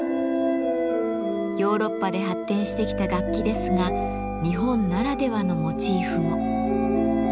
ヨーロッパで発展してきた楽器ですが日本ならではのモチーフも。